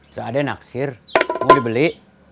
cak ade naksir mau dibeli